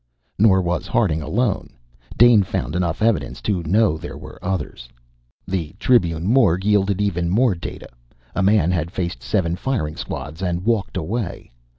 Nor was Harding alone Dane found enough evidence to know there were others. The Tribune morgue yielded even more data. A man had faced seven firing squads and walked away.